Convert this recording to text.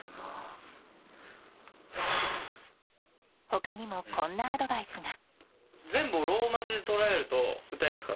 他にも、こんなアドバイスが。